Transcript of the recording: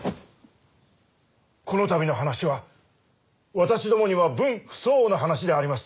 この度の話は私どもには分不相応な話であります。